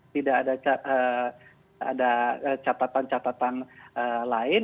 tidak ada catatan catatan